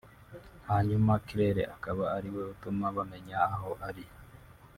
hanyuma Claire akaba ari we utuma bamenya aho ari